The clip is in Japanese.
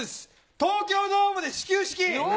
東京ドームで始球式。